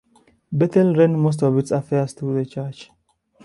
Bethel ran most of its affairs through the church.